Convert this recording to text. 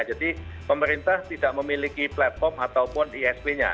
jadi pemerintah tidak memiliki platform ataupun isp nya